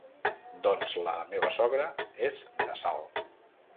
Doncs la meva sogra és de Salt.